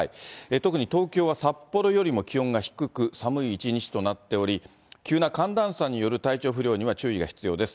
特に東京は札幌よりも気温が低く、寒い一日となっており、急な寒暖差による体調不良には注意が必要です。